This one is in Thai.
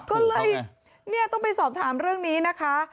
ก็เลยเนี่ยต้องไปสอบถามเรื่องนี้นะคะ